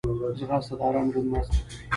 ځغاسته د آرام ژوند مرسته کوي